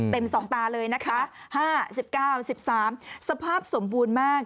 เต็มสองตาเลยนะคะ๕๑๙๑๓สภาพสมบูรณ์มาก